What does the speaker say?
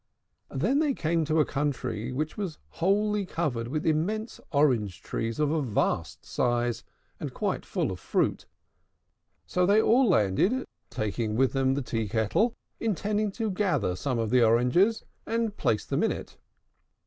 Then they came to a country which was wholly covered with immense orange trees of a vast size, and quite full of fruit. So they all landed, taking with them the tea kettle, intending to gather some of the oranges, and place them in it.